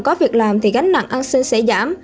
có việc làm thì gánh nặng an sinh sẽ giảm